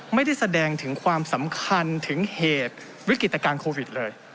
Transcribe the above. ไม่ได้แสดงถึงความสำคัญถึงเหตุวิกฤตการณ์โควิดเลย